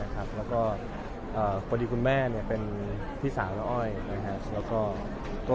กว่าดีคุณแม่เป็นพี่สาวร้ออ้อย